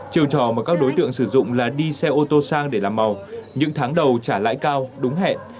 chiều trò mà các đối tượng sử dụng là đi xe ô tô sang để làm màu những tháng đầu trả lãi cao đúng hẹn